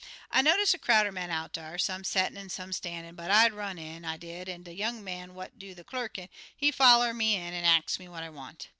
"I notice a crowd er men out dar, some settin' an' some stan'in', but I run'd in, I did, an' de young man what do de clerkin', he foller me in an' ax what I want.